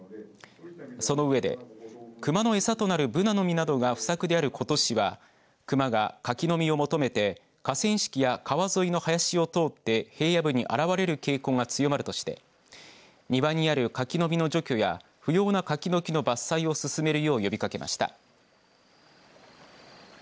その上で熊の餌となるぶなの実などが不作であることしは熊が柿の実を求めて河川敷や川沿いの林を通って平野部に現れる傾向が強まるとして庭にある柿の実の除去や不要な柿の木の伐採を進めるよう呼びかけました。